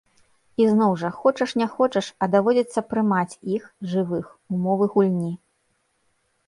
І, зноў жа, хочаш не хочаш, а даводзіцца прымаць іх, жывых, умовы гульні.